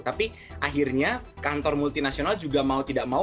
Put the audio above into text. tapi akhirnya kantor multinasional juga mau tidak mau